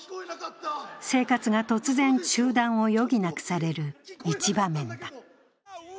生活が突然、中断を余儀なくされる一場面だ。